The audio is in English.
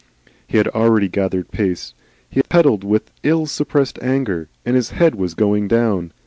He had already gathered pace. He pedalled with ill suppressed anger, and his head was going down.